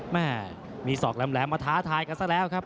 แม่มีศอกแหลมมาท้าทายกันซะแล้วครับ